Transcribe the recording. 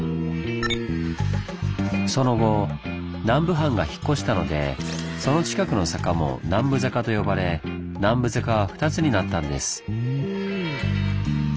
その後南部藩が引っ越したのでその近くの坂も「南部坂」と呼ばれ南部坂は２つになったんです。